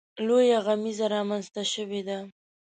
لویه غمیزه رامنځته شوې ده.